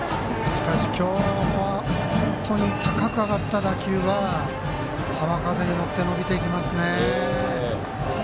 しかし、今日は高く上がった打球は浜風に乗って伸びていきますね。